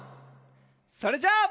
それじゃあ。